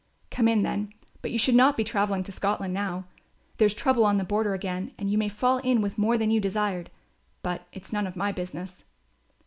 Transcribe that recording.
"Come in, then; but you should not be travelling to Scotland now; there's trouble on the border again and you may fall in with more than you desired; but it's none of my business."